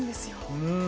うん。